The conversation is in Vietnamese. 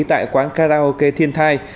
tại quán karaoke thiên thai